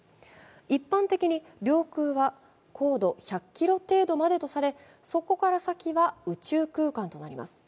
一般的に領空は高度１００ｋｍ程度までとされ、そこから先は宇宙空間となります。